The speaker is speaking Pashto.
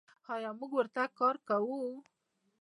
آیا موږ ورته کار کوو؟